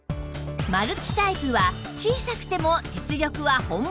マルチタイプは小さくても実力は本物